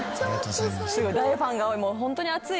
すごい大ファンが多い。